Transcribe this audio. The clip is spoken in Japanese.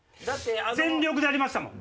全力でやりましたもん。